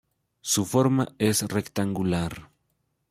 Su forma es rectangular.